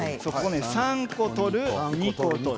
３個取る２個取る。